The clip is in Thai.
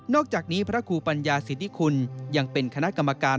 อกจากนี้พระครูปัญญาสิทธิคุณยังเป็นคณะกรรมการ